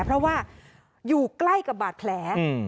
เพราะว่าอยู่ใกล้กับบาดแผล